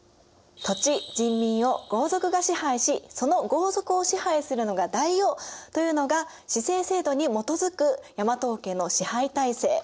土地・人民を豪族が支配しその豪族を支配するのが大王というのが氏姓制度にもとづく大和王権の支配体制。